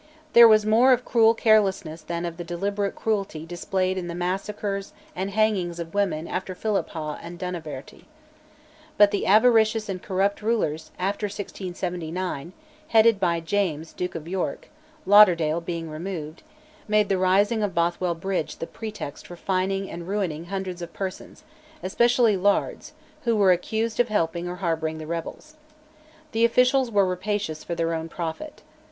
There was more of cruel carelessness than of the deliberate cruelty displayed in the massacres and hangings of women after Philiphaugh and Dunaverty. But the avaricious and corrupt rulers, after 1679, headed by James, Duke of York (Lauderdale being removed), made the rising of Bothwell Bridge the pretext for fining and ruining hundreds of persons, especially lairds, who were accused of helping or harbouring rebels. The officials were rapacious for their own profit.